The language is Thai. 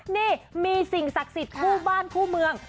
นี่มีสิ่งศักดิ์สิทธิ์คู่บ้านคู่เมือง